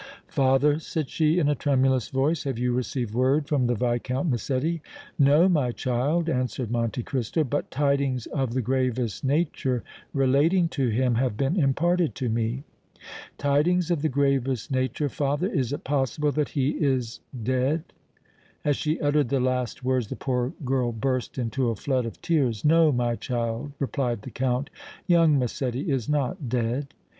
"Father," said she, in a tremulous voice, "have you received word from the Viscount Massetti?" "No, my child," answered Monte Cristo; "but tidings of the gravest nature relating to him have been imparted to me." "Tidings of the gravest nature, father! Is it possible that he is dead?" As she uttered the last words, the poor girl burst into a flood of tears. "No, my child," replied the Count. "Young Massetti is not dead."